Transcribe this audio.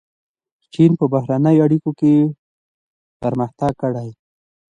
چین په بهرنیو اړیکو کې پرمختګ کړی.